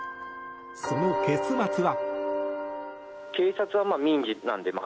その結末は。